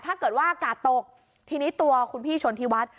ถ้าเกิดว่าอากาศตกทีนี้ตัวคุณพี่ชนที่วัด